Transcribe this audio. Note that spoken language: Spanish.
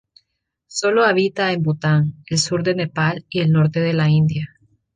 Sólo habita en Bután, el sur de Nepal y el norte de la India.